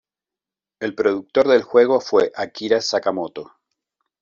El productor del juego fue Akira Sakamoto.